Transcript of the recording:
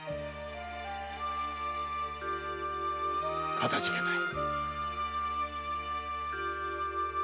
かたじけない。